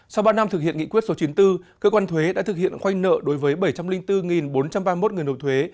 sau ba năm thực hiện nghị quyết số chín mươi bốn cơ quan thuế đã thực hiện khoanh nợ đối với bảy trăm linh bốn bốn trăm ba mươi một người nộp thuế